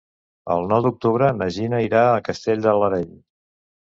El nou d'octubre na Gina irà a Castell de l'Areny.